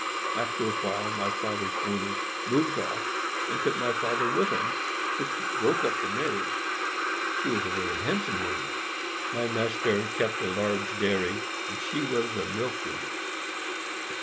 After a while my father's owner moved off and took my father with him, which broke up the marriage. She was a very handsome woman. My master kept a large dairy, and she was the milk woman.